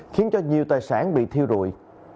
khiến cho nhiều tài sản bị thiêu rụi